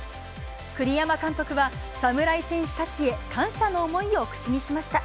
栗山監督は、侍戦士たちへ感謝の思いを口にしました。